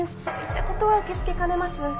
そういったことは受け付けかねます。